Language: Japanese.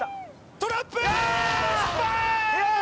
トラップー！